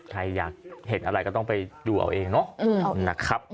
ใครอยากเห็นอะไรก็ต้องไปดูเอาเองเนาะนะครับ